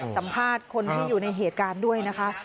สัมภาษณ์คนที่อยู่ในเหตุการณ์ด้วยนะคะ